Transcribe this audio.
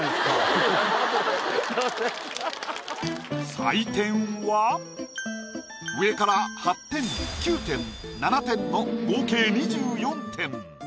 採点は上から８点９点７点の合計２４点。